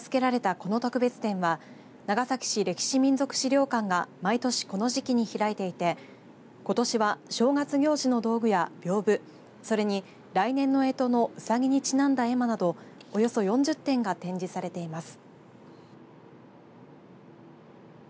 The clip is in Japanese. この特別展は長崎市歴史民俗資料館が毎年、この時期に開いていてことしは正月行事の道具やびょうぶそれに来年のえとのうさぎにちなんだ絵馬などおよそ４０点が展示されています。